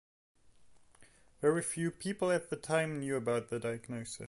Very few people at the time knew about the diagnosis.